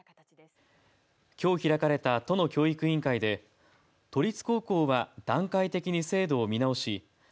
きょう開かれた都の教育委員会で都立高校は段階的に制度を見直し